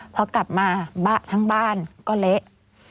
พอกลับมาทั้งบ้านก็เละ